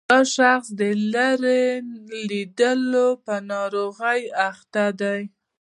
دا شخص د لیرې لیدلو په ناروغۍ اخته وي.